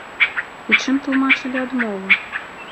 І чым тлумачылі адмову?